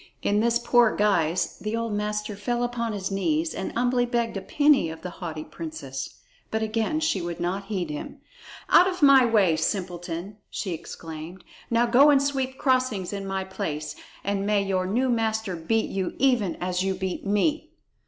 In this poor guise the old master fell upon his knees and humbly begged a penny of the haughty princess. But again she would not heed him. "Out of my way, simpleton!" she exclaimed. "Now go and sweep crossings in my place, and may your new master beat you even as you beat me!"